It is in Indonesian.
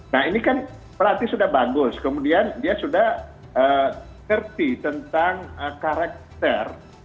nah ini kan pelatih sudah bagus kemudian dia sudah ngerti tentang karakter